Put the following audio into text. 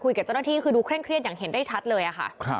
คลุยกับเจ้าหน้าที่ดูเครียดอย่างเห็นได้ชัดเลยอ่ะค่ะ